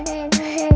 kau mau kemana